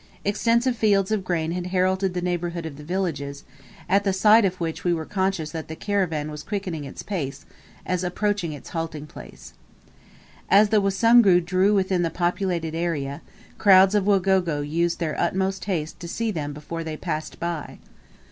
Extensive fields of grain had heralded the neighbourhood of the villages, at the sight of which we were conscious that the caravan was quickening its pace, as approaching its halting place. As the Wasungu drew within the populated area, crowds of Wagogo used their utmost haste to see them before they passed by.